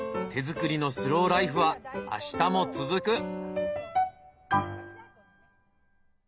手作りのスローライフは明日も続く。